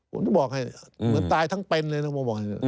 ผมจะบอกให้เหมือนตายทั้งเป็นเลยนะ